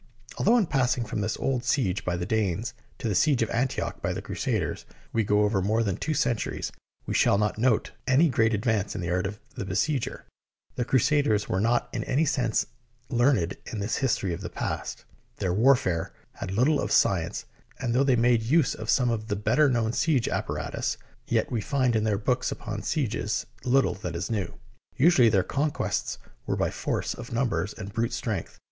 Although in passing from this old siege by the Danes to the siege of Antioch by the Crusaders we go over more than two centuries, we shall not note any great advance in the art of the besieger. The Crusaders were not in any sense learned in the his tory of the past. Their warfare had little of science, and though they made use of some of the better known siege apparatus, yet we find in their books upon sieges little that is new. Usually their con quests were by force of numbers and brute strength.